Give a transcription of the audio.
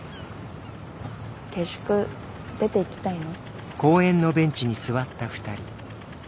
下宿出ていきたいの？